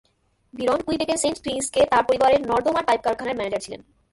বিরন কুইবেকের সেইন্ট-ক্রিক্সে তার পরিবারের নর্দমার পাইপ কারখানার ম্যানেজার ছিলেন।